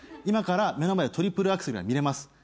今から目の前でトリプルアクセルが見れます。